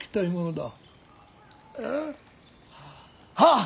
ああ。